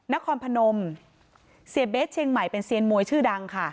นครพนมเสียเบสเชียงใหม่เป็นเซียนมวยชื่อดังค่ะ